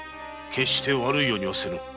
決して悪いようにはせぬ。